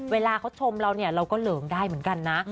เวลาเขาชมเราเนี่ยเราก็เหลิงได้เหมือนกันนะ